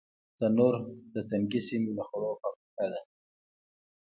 تنور د تنګې سیمې د خوړو فابریکه ده